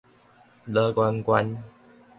羅源縣